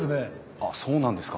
あっそうなんですか？